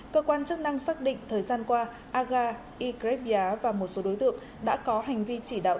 cơ quan chức năng xác định thời gian qua aga y greg bia và một số đối tượng đã có hành vi chỉ đạo